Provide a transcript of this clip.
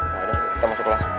yaudah kita masuk kelas